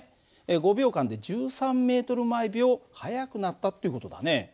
５秒間で１３ｍ／ｓ速くなったっていう事だね。